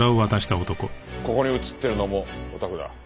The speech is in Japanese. ここに映ってるのもおたくだ。